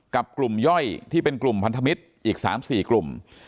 กับกลุ่มย่อยที่เป็นกลุ่มพันธมิตรอีก๓๔กลุ่ม